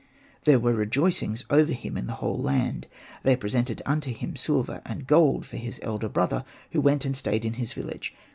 There were rejoicings over him in the whole land. They presented unto him silver and gold for his elder brother, who went and stayed in his village.